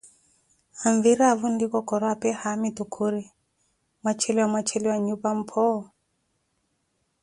Aviriyeevo nlikokoro apee haamitu khuri mwacheliwa mwacheliwa nyupa mphu ?